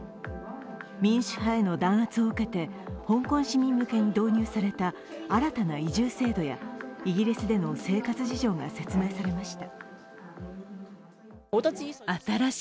民主派への弾圧を受けて、香港市民向けに導入された新たな移住制度やイギリスでの生活事情が説明されました。